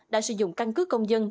đã sử dụng căn cứ công dân